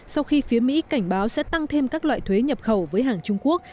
sau khi phía mỹ cảnh báo sẽ tăng thêm các loại thuế nhập khẩu với hàng trung quốc